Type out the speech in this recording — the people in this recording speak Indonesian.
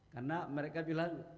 karena mereka bilang